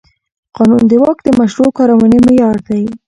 قانون د واک د مشروع کارونې معیار دی.